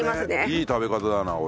いい食べ方だなこれ。